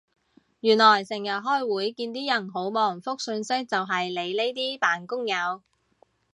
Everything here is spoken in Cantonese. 原來成日開會見啲人好忙覆訊息就係你呢啲扮工友